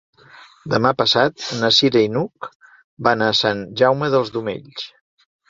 Demà passat na Cira i n'Hug van a Sant Jaume dels Domenys.